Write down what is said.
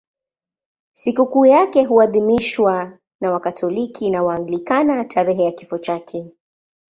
Sikukuu yake huadhimishwa na Wakatoliki na Waanglikana tarehe ya kifo chake.